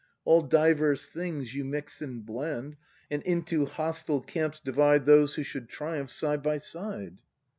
All diverse things you mix and blend, And into hostile camps divide Those who should triumph side by side.